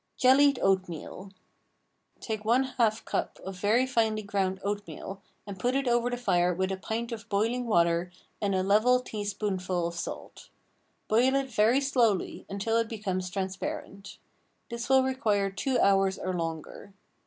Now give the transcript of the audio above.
JELLIED OATMEAL. Take one half cup of very finely ground oatmeal and put it over the fire with a pint of boiling water and a level teaspoonful of salt. Boil it very slowly until it becomes transparent. This will require two hours or longer.